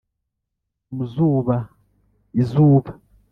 mu zuba izuba,